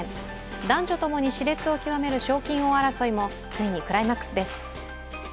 男女共にしれつを極める賞金王争いもついにクライマックスです。